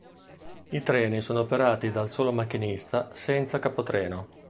I treni sono operati dal solo macchinista, senza capotreno.